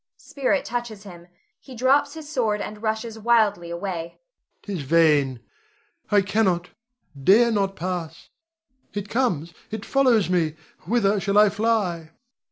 Spirit touches him; he drops his sword and rushes wildly away._] 'Tis vain: I cannot dare not pass. It comes, it follows me. Whither shall I fly?